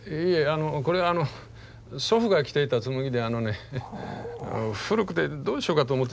あのこれあの祖父が着ていた紬であのね古くてどうしようかと思ってたんですよ。